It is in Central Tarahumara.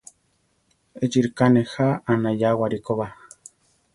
Échi ríka nejá anayáwari koba.